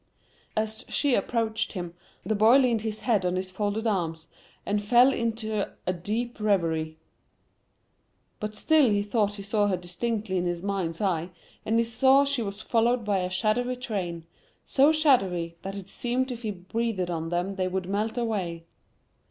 As she approached him, the boy leaned his head on his folded arms, and fell into a deep revery. But still he thought he saw her distinctly in his mind's eye, and he saw she was followed by a shadowy train, so shadowy that it seemed if he breathed on them they would melt away.